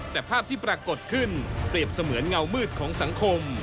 แต่ภาพที่ปรากฏขึ้นเปรียบเสมือนเงามืดของสังคม